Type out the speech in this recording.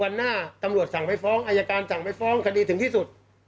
หน้าตำรวจสั่งไปฟ้องอายการสั่งไม่ฟ้องคดีถึงที่สุด